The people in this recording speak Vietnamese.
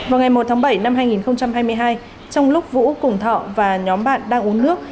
vào ngày một tháng bảy năm hai nghìn hai mươi hai trong lúc vũ cùng thọ và nhóm bạn đang uống nước